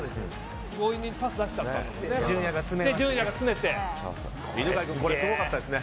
強引に出しちゃったんだよね。